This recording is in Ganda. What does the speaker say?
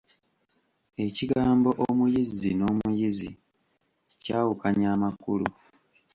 Ekigambo Omuyizzi n'omuyizi kyawukanya amakulu.